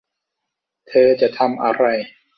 เธอจะทำอะไร